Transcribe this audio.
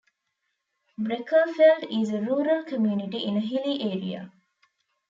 Breckerfeld is a rural community in a hilly area.